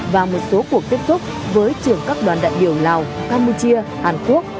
và một số cuộc tiếp xúc với trưởng các đoàn đại biểu lào campuchia hàn quốc